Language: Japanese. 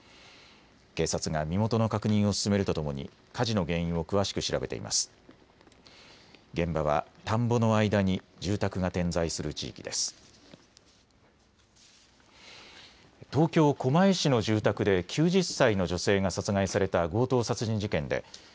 警察が身元の確認を進めるとともに火事の原因を詳しく調べています。